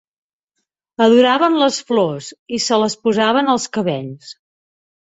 Adoraven les flors, i se les posaven als cabells.